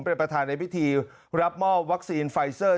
เป็นประธานในพิธีรับมอบวัคซีนไฟเซอร์